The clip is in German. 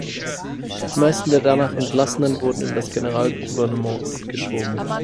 Die meisten der danach Entlassenen wurden in das "Generalgouvernement" abgeschoben.